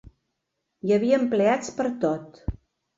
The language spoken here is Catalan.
Hi havia empleats pertot.